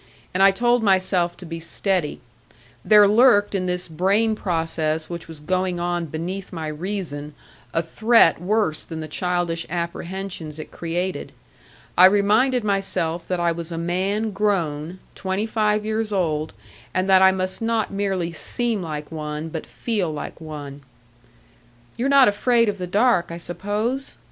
And I told myself to be steady; there lurked in this brain process which was going on beneath my reason a threat worse than the childish apprehensions it created. I reminded myself that I was a man grown, twenty five years old, and that I must not merely seem like one, but feel like one. "You're not afraid of the dark, I suppose?"